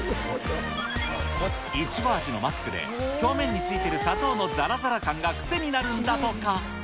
いちご味のマスクで、表面についてる砂糖のざらざら感が癖になるんだとか。